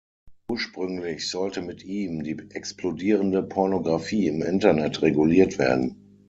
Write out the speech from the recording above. Ursprünglich sollte mit ihm die explodierende Pornographie im Internet reguliert werden.